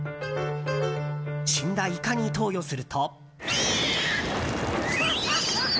死んだイカに投与すると。